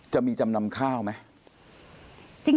จำนำข้าวไหม